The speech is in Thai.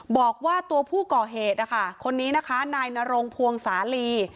บอกว่าตัวผู้ก่อเหตุนะคะคนนี้นะคะนายนรงพวงสาลี